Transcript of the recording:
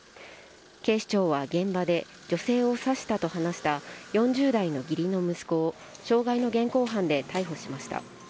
警視庁は現場で女性を刺したと話した４０代の義理の息子を傷害の現行犯で逮捕しました。